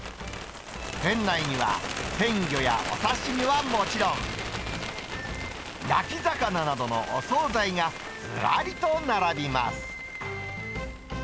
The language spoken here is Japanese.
店内には鮮魚やお刺身はもちろん、焼き魚などのお総菜がずらりと並びます。